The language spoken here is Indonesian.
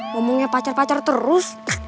ngomongnya pacar pacar terus